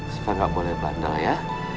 sipa gak boleh bandel ya